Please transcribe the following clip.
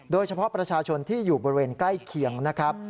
โดยเฉพาะประชาชนที่อยู่บริเวณใกล้เคียงนะครับ